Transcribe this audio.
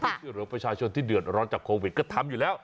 ช่วยเหลือประชาชนที่เดือดร้อนจากโควิดก็ทำอยู่แล้ว